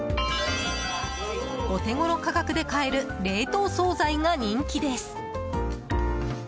お手ごろ価格で買える冷凍総菜が人気です。